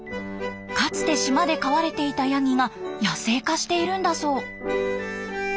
かつて島で飼われていたヤギが野生化しているんだそう。